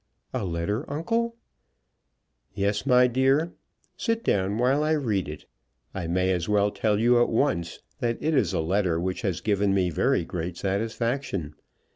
"A letter, uncle?" "Yes, my dear. Sit down while I read it. I may as well tell you at once that it is a letter which has given me very great satisfaction.